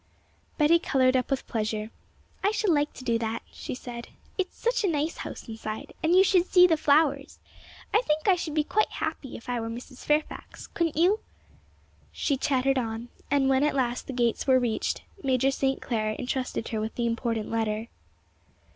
Betty coloured up with pleasure. 'I shall like to do that,' she said; 'it's such a nice house inside, and you should see the flowers! I think I could be quite happy if I were Mrs. Fairfax, couldn't you?' She chattered on, and when at last the gates were reached, Major St. Clair entrusted her with the important letter.